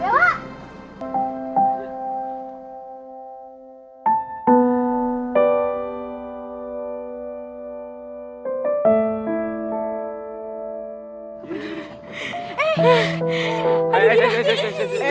gewoon hai baru bisa